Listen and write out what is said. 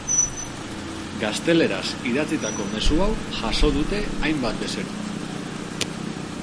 Gazteleraz idatzitako mezu hau jaso dute hainbat bezerok.